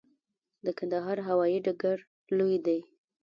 د کندهار هوايي ډګر لوی دی